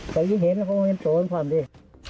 ตอนนี้เห็นเขาเป็นส่วนความดี